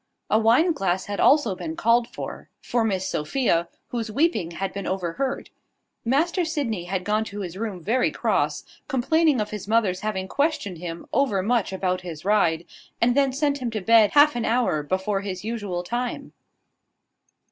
A wine glass had also been called for, for Miss Sophia, whose weeping had been overheard. Master Sydney had gone to his room very cross, complaining of his mother's having questioned him overmuch about his ride, and then sent him to bed half an hour before his usual time.